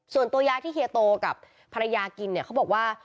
ตัวยาที่เฮียโตกับภรรยากินเนี่ยเขาบอกว่า